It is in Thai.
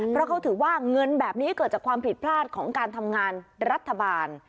เพราะเขาถือว่าเงินแบบนี้เกิดจากความผิดพลาดของการทำงานรัฐบาล